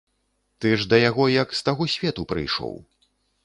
Ты ж да яго як з таго свету прыйшоў.